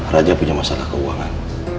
raja punya masalah keuangan